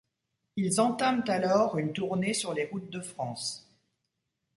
Ils entament alors une tournée sur les routes de France.